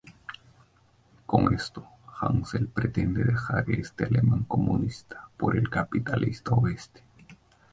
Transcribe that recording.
Con esto, Hansel pretende dejar el este alemán comunista por el capitalista oeste.